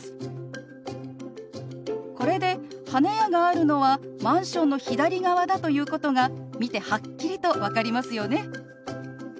これで花屋があるのはマンションの左側だということが見てはっきりと分かりますよね。